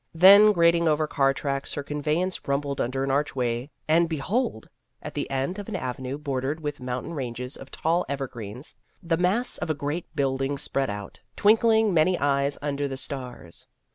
Then grating over car tracks her conveyance rumbled under an archway, and behold ! at the end of an avenue bordered with mountain ranges of tall evergreens, the mass of a great building spread out, twinkling many eyes under the stars.